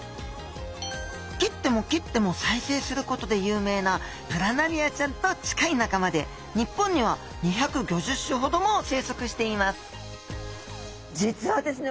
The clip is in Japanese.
切っても切っても再生することで有名なプラナリアちゃんと近い仲間で日本には２５０種ほども生息しています実はですね